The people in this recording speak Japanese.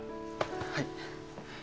はい。